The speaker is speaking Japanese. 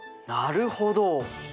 なるほど。